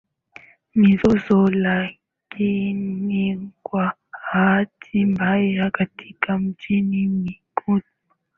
mizozo Lakini kwa bahati mbaya katika miji mikubwa